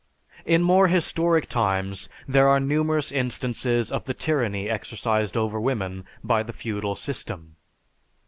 In more historic times there are numerous instances of the tyranny exercised over women by the feudal system.